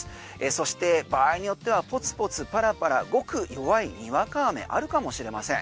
そして場合によってはポツポツパラパラごく弱いにわか雨あるかもしれません。